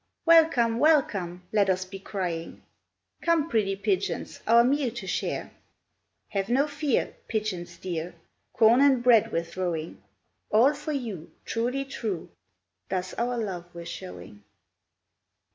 "Welcome! welcome!" let us be crying. "Come, pretty pigeons, our meal to share. Have no fear, Pigeons dear, Corn and bread we're throwing, All for you, Truly true, Thus our love we're showing."